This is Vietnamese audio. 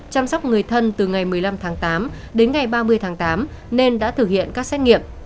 chăm sóc người thân từ ngày một mươi năm tháng tám đến ngày ba mươi tháng tám nên đã thực hiện các xét nghiệm